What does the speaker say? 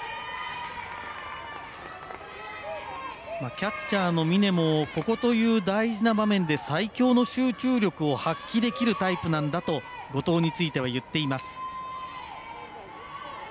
キャッチャーの峰もここという大事な場面で最強の集中力を発揮できるタイプなんだと後藤については言っています。